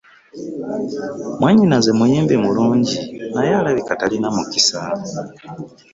Mwannyinaze muyimbi mulungi naye alabika talina mukisa.